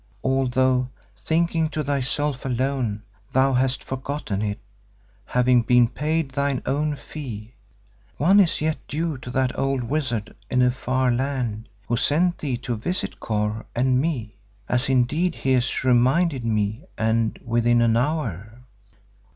Although, thinking of thyself alone, thou hast forgotten it, having been paid thine own fee, one is yet due to that old wizard in a far land who sent thee to visit Kôr and me, as indeed he has reminded me and within an hour."